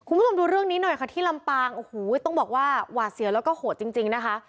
คุณผู้ชมดูเรื่องนี้หน่อยค่ะที่ลำปางโอ้โหต้องบอกว่าหวาดเสียวแล้วก็โหดจริงจริงนะคะ